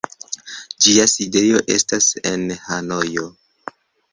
Ĝia sidejo estas en Hanojo.